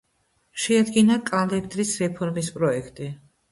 შეადგინა კალენდრის რეფორმის პროექტი.